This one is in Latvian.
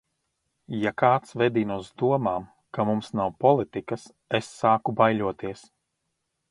Ja kāds vedina uz domām, ka mums nav politikas, es sāku baiļoties.